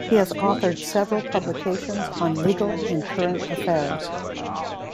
He has authored several publications on legal and current affairs.